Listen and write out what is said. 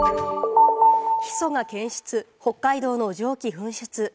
ヒ素が検出、北海道の蒸気噴出。